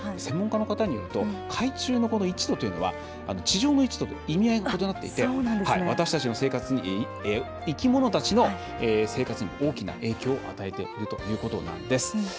専門家の方によると海中の１度というのは地上の１度と意味合いが異なっていて生き物たちの生活に大きな影響を与えているということなんです。